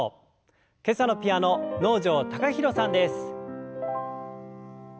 今朝のピアノ能條貴大さんです。